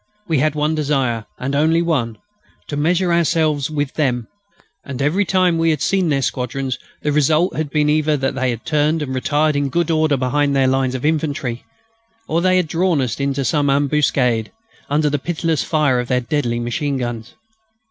We had one desire, and one only to measure ourselves with them. And every time we had seen their squadrons the result had been either that they had turned and retired in good order behind their lines of infantry, or they had drawn us into some ambuscade under the pitiless fire of their deadly machine guns.